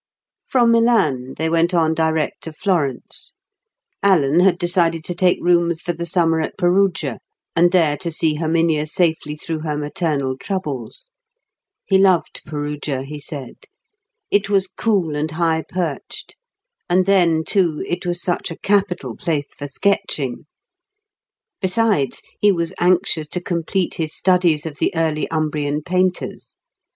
From Milan they went on direct to Florence. Alan had decided to take rooms for the summer at Perugia, and there to see Herminia safely through her maternal troubles. He loved Perugia, he said; it was cool and high perched; and then, too, it was such a capital place for sketching. Besides, he was anxious to complete his studies of the early Umbrian painters.